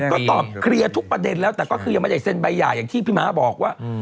ก็ตอบเคลียร์ทุกประเด็นแล้วแต่ก็คือยังไม่ได้เซ็นใบหย่าอย่างที่พี่ม้าบอกว่า